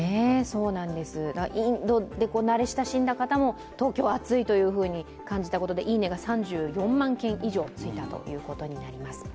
インドで慣れ親しんだ方も、東京は暑いとＴｗｉｔｔｅｒしたということで「いいね」が３４万件以上ついたことになります。